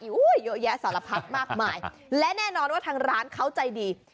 โอ้โหเยอะแยะสารพัดมากมายและแน่นอนว่าทางร้านเขาใจดี